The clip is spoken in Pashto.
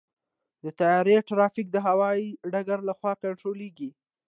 د طیارې ټرافیک د هوايي ډګر لخوا کنټرولېږي.